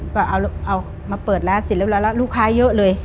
ก็เอามาเปิดร้านเสร็จเรียบร้อยแล้วลูกค้าเยอะเลย